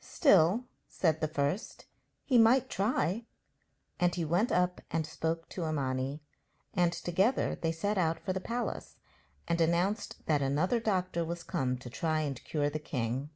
'Still,' said the first, 'he might try.' And he went up and spoke to Imani, and together they set out for the palace and announced that another doctor was come to try and cure the king.